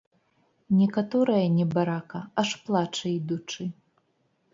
Некаторая, небарака, аж плача ідучы.